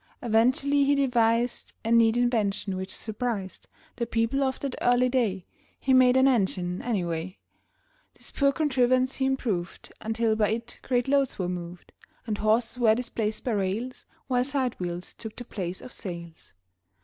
Eventually he devised A neat invention which surprised The people of that early day He made an engine, anyway. This poor contrivance he improved Until by it great loads were moved And horses were displaced by rails, While sidewheels took the place of sails.